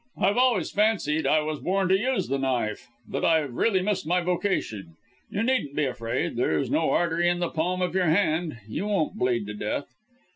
I've always fancied I was born to use the knife that I've really missed my vocation. You needn't be afraid there's no artery in the palm of your hand you won't bleed to death."